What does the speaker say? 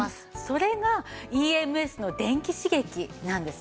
それがＥＭＳの電気刺激なんです。